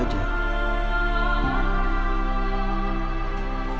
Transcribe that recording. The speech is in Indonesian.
udah jangan nangis lagi